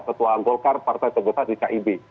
ketua golkar partai terbesar di kib